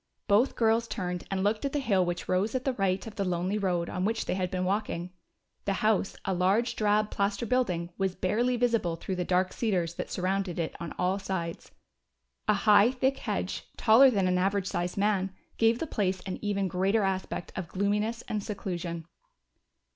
Both girls turned and looked at the hill which rose at the right of the lonely road on which they had been walking. The house, a large drab plaster building, was barely visible through the dark cedars that surrounded it on all sides. A high, thick hedge, taller than an average sized man, gave the place an even greater aspect of gloominess and seclusion.